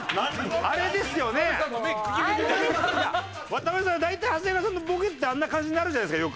渡辺さんは大体長谷川さんのボケってあんな感じになるじゃないですか。